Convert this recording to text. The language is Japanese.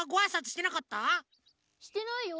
してないよ。